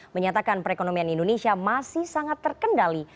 menyatakan perekonomian indonesia masih sangat terkendali